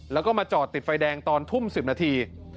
แล้วก็มาจอดติดไฟแดงตอนทุ่ม๑๐นาที